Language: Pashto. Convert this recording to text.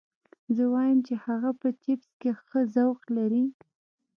زه وایم چې هغه په چپس کې ښه ذوق لري